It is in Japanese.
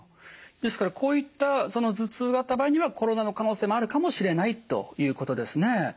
ですからこういった頭痛があった場合にはコロナの可能性もあるかもしれないということですね。